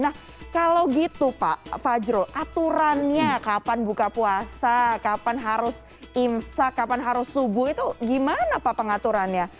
nah kalau gitu pak fajrul aturannya kapan buka puasa kapan harus imsak kapan harus subuh itu gimana pak pengaturannya